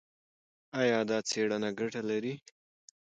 ایا دا څېړنه ګټه لري؟